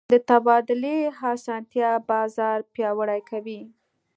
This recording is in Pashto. د تبادلې اسانتیا بازار پیاوړی کوي.